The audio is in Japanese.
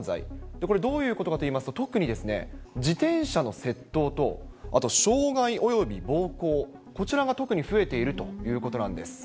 これどういうことかといいますと、特に自転車の窃盗と、あと傷害および暴行、こちらが特に増えているということなんです。